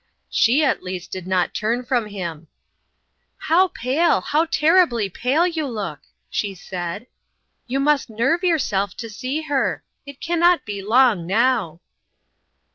She, at least, did not turn from him !" How pale, how terribly pale you look !" she said. "You must nerve yourself to see her it can not be long now